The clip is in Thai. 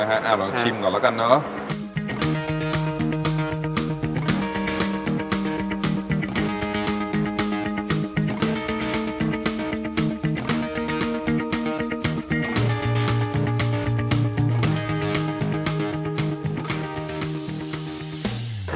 เราทิ้งก่อนแล้วกันเนาะ